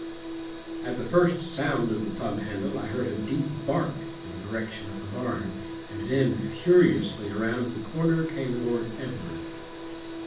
At the first sound of the pump handle I heard a deep bark in the direction of the barn, and then furiously around the corner came Lord Edward.